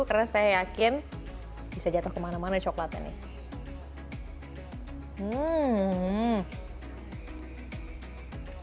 karena saya yakin bisa jatuh kemana mana coklatnya nih